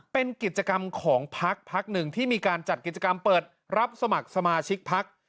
เป็นกิจกรรมของพักพักหนึ่งที่มีการจัดกิจกรรมเปิดรับสมัครสมาชิกพัก